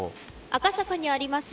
赤坂にあります